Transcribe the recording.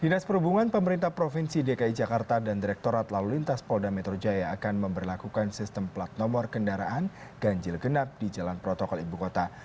dinas perhubungan pemerintah provinsi dki jakarta dan direkturat lalu lintas polda metro jaya akan memperlakukan sistem plat nomor kendaraan ganjil genap di jalan protokol ibu kota